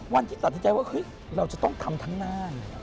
วันที่ตัดสินใจว่าเฮ้ยเราจะต้องทำทั้งนาน